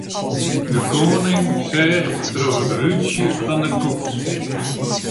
De koaning seach troch it rútsje fan de koets.